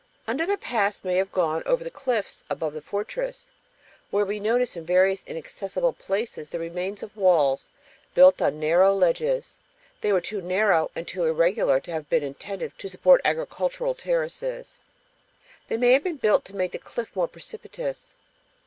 Another path may have gone over the cliffs above the fortress, where we noticed, in various inaccessible places, the remains of walls built on narrow ledges. They were too narrow and too irregular to have been intended to support agricultural terraces. They may have been built to make the cliff more precipitous.